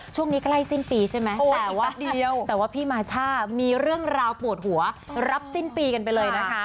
ช่วงนี้ใกล้สิ้นปีใช่ไหมแต่แป๊บเดียวแต่ว่าพี่มาช่ามีเรื่องราวปวดหัวรับสิ้นปีกันไปเลยนะคะ